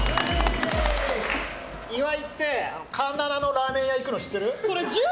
岩井って環７のラーメン屋行ってるの知ってる？